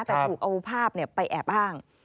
แต่ถูกเอาภาพไปแอบอ้าง